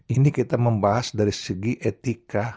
ini kita membahas dari segi etika